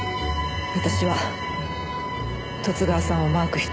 私は十津川さんをマークし続け。